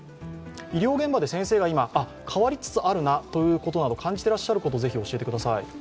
医療現場で先生が今、変わりつつあるなと感じていらっしゃることをぜひ教えてください。